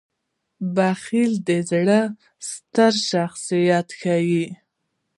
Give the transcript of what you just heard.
• بخښل د زړه ستر شخصیت ښيي.